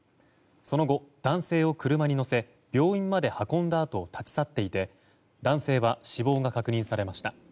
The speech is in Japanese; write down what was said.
その後、男性を車に乗せ病院まで運んだあと立ち去っていて男性は死亡が確認されました。